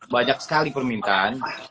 banyak sekali permintaan